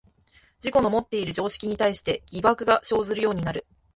自己のもっている常識に対して疑惑が生ずるようになる。